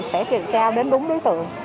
sẽ trao đến đúng đối tượng